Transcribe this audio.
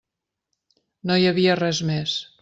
No hi havia res més.